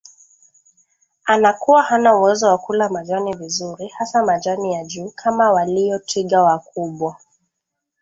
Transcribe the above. anakuwa hana uwezo wakula majani vizuri hasa majani ya juu kama waliyo twiga wakubwa